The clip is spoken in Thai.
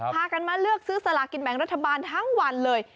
พากันมาเลือกซื้อสลากินแบ่งรัฐบาลทั้งวันเลย